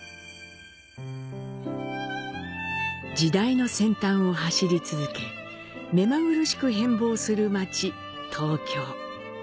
時代の先端を走り続け目まぐるしく変貌する街、東京。